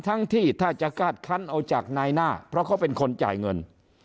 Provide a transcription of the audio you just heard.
ที่ถ้าจะกาดคันเอาจากนายหน้าเพราะเขาเป็นคนจ่ายเงิน